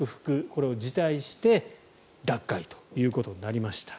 これを辞退して脱会ということになりました。